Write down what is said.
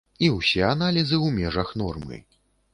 І ўсе аналізы ў межах нормы.